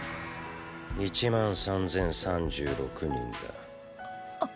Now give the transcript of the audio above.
１万３千３６人だ。っ！